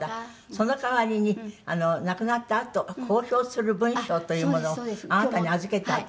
その代わりに亡くなったあと公表する文章というものをあなたに預けたって。